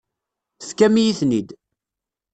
Tefkam-iyi-ten-id.